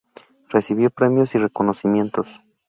Recibió premios y reconocimientos.